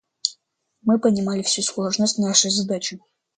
Мы понимали всю сложность нашей задачи.